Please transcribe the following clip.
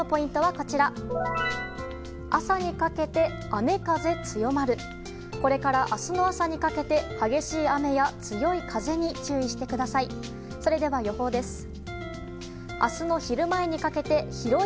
これから明日の朝にかけて激しい雨や強い風に注意してください。